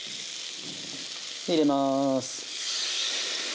入れます。